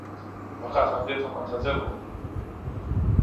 فقط همدې ته منتظر وم.